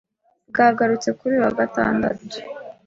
bwagarutsweho kuri uyu wa gatandatu